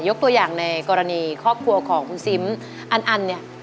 ตัวอย่างในกรณีครอบครัวของคุณซิมอันอันเนี่ย